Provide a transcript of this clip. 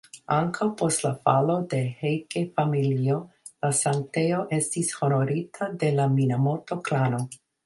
Ankaŭ post la falo de Heike-Familio, la sanktejo estis honorita de la Minamoto-klano.